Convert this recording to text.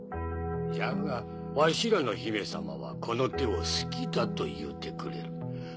じゃがわしらの姫様はこの手を好きだと言うてくれる。